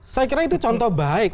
saya kira itu contoh baik